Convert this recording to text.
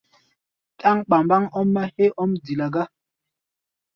Ɗáŋ ɓambaŋ ɔ́m-mɛ́ héé ɔ́m dila gá!